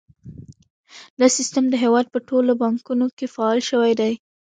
دا سیستم د هیواد په ټولو بانکونو کې فعال شوی دی۔